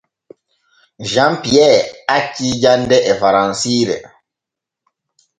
Jean Pierre acci jande e faransiire.